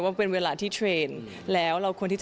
ว่าเป็นเวลาที่เทรน